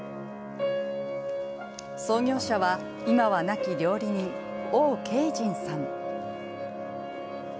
創業者は、今は亡き料理人王恵仁さん。